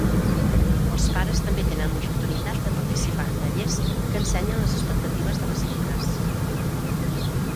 Els pares també tenen l'oportunitat de participar en tallers que ensenyen les expectatives de les lligues.